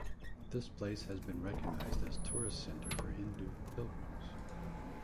This place has been recognised as tourist centre for Hindu pilgrims.